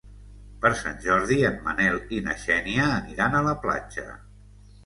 Per Sant Jordi en Manel i na Xènia aniran a la platja.